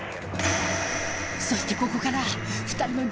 そしてここから２人の